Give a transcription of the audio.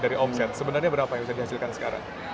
dari omset sebenarnya berapa yang bisa dihasilkan sekarang